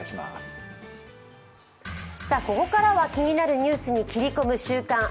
ここからは気になるニュースに切り込む「週刊！